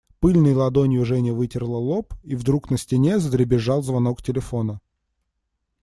Пыльной ладонью Женя вытерла лоб, и вдруг на стене задребезжал звонок телефона.